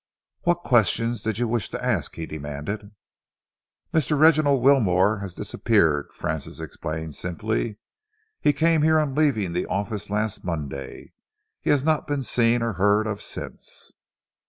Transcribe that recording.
"What questions did you wish to ask?" he demanded. "Mr. Reginald Wilmore has disappeared," Francis explained simply. "He came here on leaving the office last Monday. He has not been seen or heard of since."